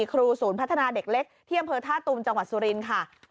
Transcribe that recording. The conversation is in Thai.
ครูศูนย์พัฒนาเด็กเล็กที่อำเภอท่าตุมจังหวัดสุรินทร์ค่ะ